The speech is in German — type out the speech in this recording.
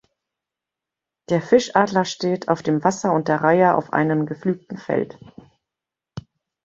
Der Fischadler steht auf dem Wasser und der Reiher auf einem gepflügten Feld.